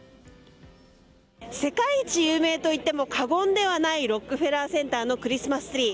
世界一有名と言っても過言ではないロックフェラーセンターのクリスマスツリー。